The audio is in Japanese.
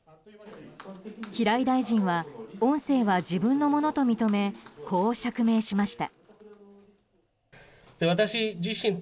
平井大臣は音声は自分のものと認めこう釈明しました。